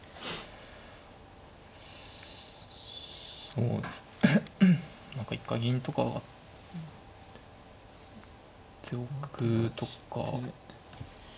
そうですね何か一回銀とか上がっておくとか。